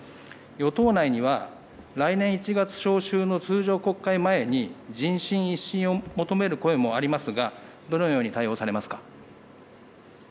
与党内には、来年１月召集の通常国会前に、人心一新を求める声もありますが、どのように対応されますか。